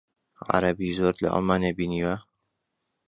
عەرەبی زۆرت لە ئەڵمانیا بینیوە؟